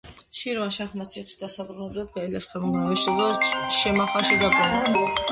შირვანშაჰმა ციხის დასაბრუნებლად გაილაშქრა, მაგრამ ვერ შეძლო და შემახაში დაბრუნდა.